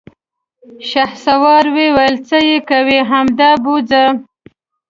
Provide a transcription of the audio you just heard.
شهسوار وويل: څه يې کوې، همدا بوځه!